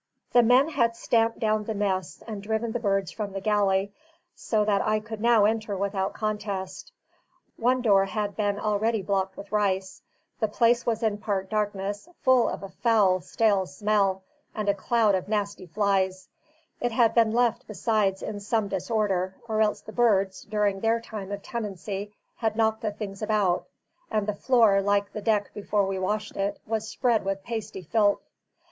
The men had stamped down the nests and driven the birds from the galley, so that I could now enter without contest. One door had been already blocked with rice; the place was in part darkness, full of a foul stale smell, and a cloud of nasty flies; it had been left, besides, in some disorder, or else the birds, during their time of tenancy, had knocked the things about; and the floor, like the deck before we washed it, was spread with pasty filth.